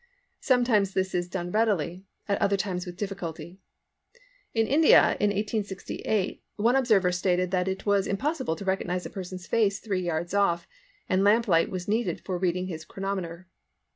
Sometimes this is done readily, at other times with difficulty. In India in 1868, one observer stated that it was impossible to recognise a person's face three yards off, and lamplight was needed for reading his chronometer.